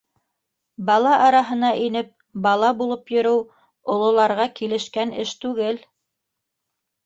Бала араһына инеп, бала булып йөрөү ололарға килешкән эш түгел.